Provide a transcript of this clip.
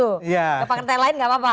gak pakai pertanyaan lain enggak apa apa